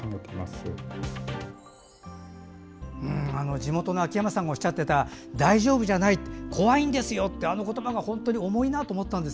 地元の秋山さんもおっしゃっていた大丈夫じゃない怖いんですよというあの言葉が本当に重いなと思ったんです。